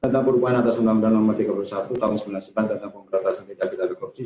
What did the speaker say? tentang pemberantasan tindak beda atau korupsi